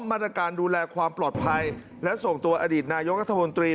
มาตรการดูแลความปลอดภัยและส่งตัวอดีตนายกรัฐมนตรี